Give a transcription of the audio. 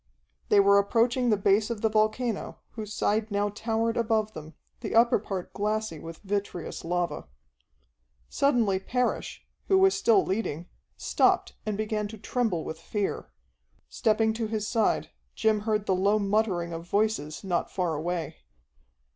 They were approaching the base of the volcano, whose side now towered above them, the upper part glassy with vitreous lava. Suddenly Parrish, who was still leading, stopped and began to tremble with fear. Stepping to his side, Jim heard the low muttering of voices not far away.